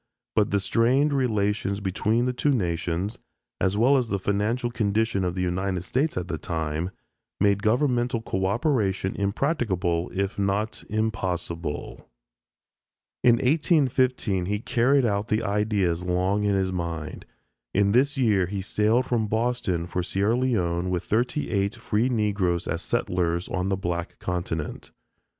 But the strained relations between the two nations, as well as the financial condition of the United States at the time, made governmental coöperation impracticable if not impossible. In 1815 he carried out the ideas long in his mind. In this year he sailed from Boston for Sierra Leone with thirty eight free Negroes as settlers on the Black Continent.